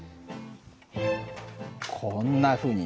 こんなふうにね